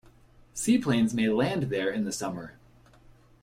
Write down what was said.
Seaplanes may land there in the summer.